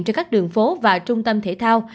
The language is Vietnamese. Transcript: trên các đường phố và trung tâm thể thao